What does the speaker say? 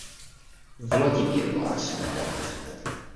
Vlagyimirban született.